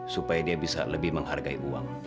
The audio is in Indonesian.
supaya dia bisa lebih menghargai uang